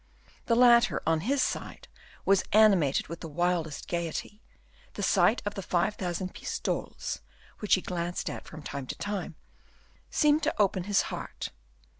The latter on his side, was animated with the wildest gayety; the sight of the five thousand pistoles, which he glanced at from time to time, seemed to open his heart.